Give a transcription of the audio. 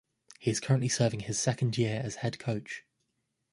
He is currently serving his second year as head coach.